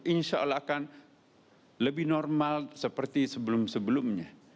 insya allah akan lebih normal seperti sebelum sebelumnya